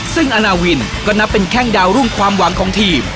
ซึ่งอาณาวินก็นับเป็นแข้งดาวรุ่งความหวังของทีม